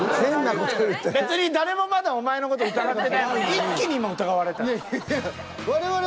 別に誰もまだお前の事疑ってないのに一気に今疑われたで。